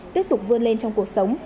tiếp tục vươn lên trong cuộc sống